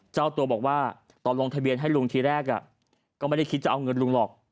เจ้าตัวบอกว่าตอนลงทะเบียนให้ลุงทีแรกก็ไม่ได้คิดจะเอาเงินลุงหรอก